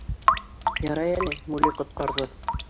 Ярай әле, Мулей ҡотҡарҙы.